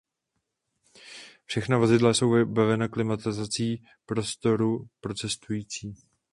Všechna vozidla jsou vybavena klimatizací prostoru pro cestující.